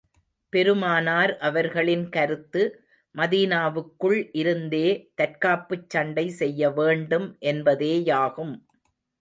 பெருமானார் அவர்களின் கருத்து, மதீனாவுக்குள் இருந்தே தற்காப்புச் சண்டை செய்ய வேண்டும் என்பதேயாகும்.